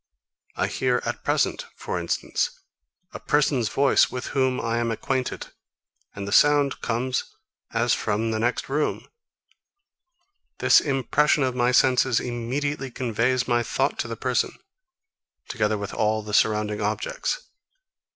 I hear at present, for instance, a person's voice, with whom I am acquainted; and the sound comes as from the next room. This impression of my senses immediately conveys my thought to the person, together with all the surrounding objects.